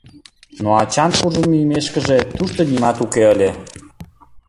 Но ачан куржын мийымешкыже тушто нимат уке ыле.